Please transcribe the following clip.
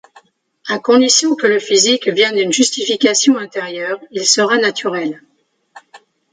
À condition que le physique vienne d'une justification intérieure il sera naturel.